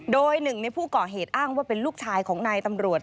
โดยหนึ่งในผู้ก่อเหตุอ้างว่าเป็นลูกชายของนายตำรวจ